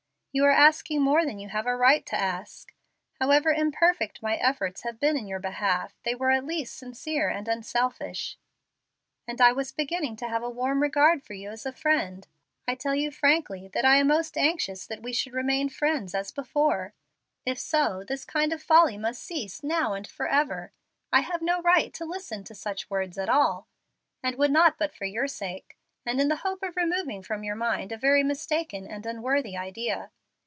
You are asking more than you have a right to ask. However imperfect my efforts have been in your behalf, they were at least sincere and unselfish, and I was beginning to have a warm regard for you as a friend. I tell you frankly that I am most anxious that we should remain friends as before. If so, this kind of folly must cease now and forever. I have no right to listen to such words at all, and would not but for your sake, and in the hope of removing from your mind a very mistaken and unworthy idea.